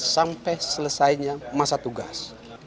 sampai selesainya masa tugas